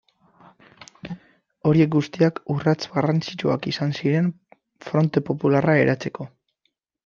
Horiek guztiak urrats garrantzitsuak izan ziren Fronte Popularra eratzeko.